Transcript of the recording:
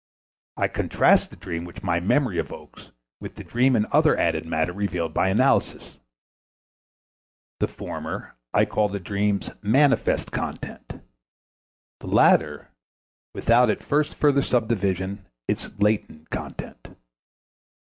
I contrast the dream which my memory evokes with the dream and other added matter revealed by analysis: the former I call the dream's manifest content; the latter, without at first further subdivision, its latent content.